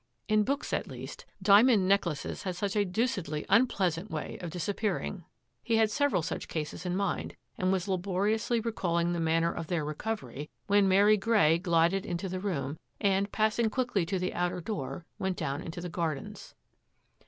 In books, at least, diamond necklaces had such a deucedly unpleasant way of disappearing. He had several such cases in mind and was labou riously recalling the manner of their recovery when Mary Grey glided into the room and, passing quickly to the outer door, went down into the gardens.